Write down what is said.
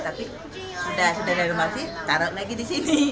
tapi sudah direnovasi taruh lagi disini